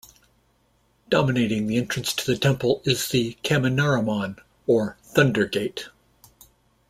Dominating the entrance to the temple is the Kaminarimon or "Thunder Gate".